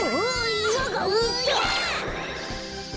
いわがういた！